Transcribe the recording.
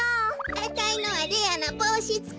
あたいのはレアなぼうしつき！